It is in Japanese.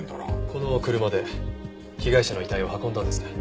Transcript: この車で被害者の遺体を運んだんですね？